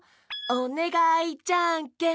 「おねがいじゃんけん」